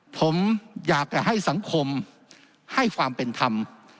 ผมอยากจะให้สังคมให้ความเป็นธรรม